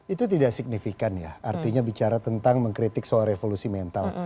itu tidak signifikan ya artinya bicara tentang mengkritik soal revolusi mental